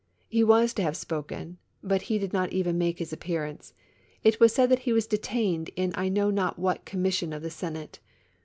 He was to have spoken, but he did not even make his appearance : it was said that he was detained in I know not what Commission of the Senate.